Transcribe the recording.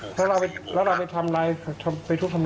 ผมให้เงินมันผมให้เสื้อมันให้น้ำโหมัน